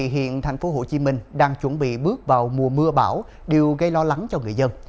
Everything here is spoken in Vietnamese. hiện tp hcm đang chuẩn bị bước vào mùa mưa bão đều gây lo lắng cho người dân